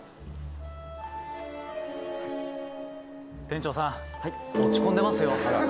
「店長さん落ち込んでますよ」